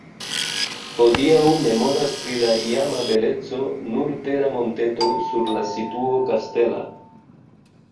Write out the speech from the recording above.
Hodiaŭ memoras pri la iama beleco nur tera monteto sur la situo kastela.